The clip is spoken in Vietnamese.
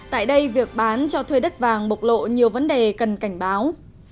tại đây việc bán cho thuê đất vàng bộc lộ nhiều vấn đề cần cảnh báo